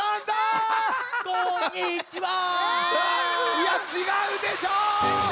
いやちがうでしょ！